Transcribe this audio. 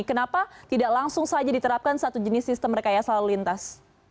kenapa tidak langsung saja diterapkan satu jenis sistem rekayasa lalu lintas